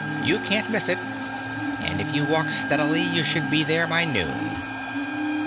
You can't miss it, and if you walk steadily you should be there by noon."